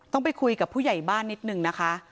ต้องไปคุยกับผู้ใหญ่บ้านนิดนึงนะคะ